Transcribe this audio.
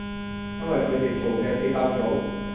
因為佢哋做嘅比較早